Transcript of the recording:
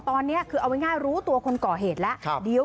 ตอนนี้คือเอาไว้ง่ายรู้ตัวคนก่อเหตุแล้วครับเดี๋ยว